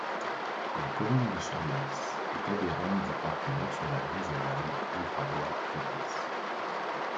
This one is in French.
La commune d'Échandelys est adhérente du parc naturel régional Livradois-Forez.